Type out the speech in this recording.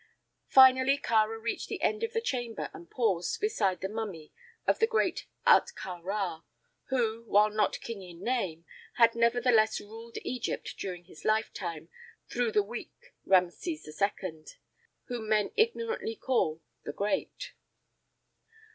Finally Kāra reached the end of the chamber and paused beside the mummy of the great Ahtka Rā, who, while not king in name, had nevertheless ruled Egypt during his lifetime through the weak Rameses II, whom men ignorantly call "the Great."